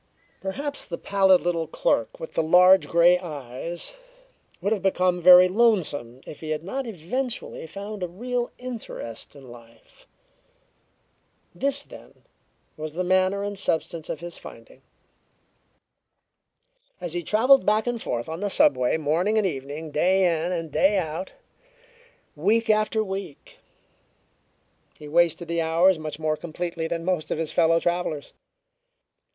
Perhaps the pallid little clerk with the large grey eyes would have become very lonesome if he had not eventually found a real interest in life. This, then, was the manner and substance of his finding. As he traveled back and forth on the subway morning and evening, day in and day out, week after week, he wasted the hours much more completely than most of his fellow travelers.